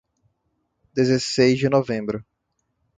Dezesseis de Novembro